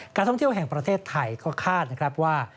ท่องเที่ยวแห่งประเทศไทยก็คาดนะครับว่า